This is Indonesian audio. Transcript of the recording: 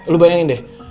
lu bayangin deh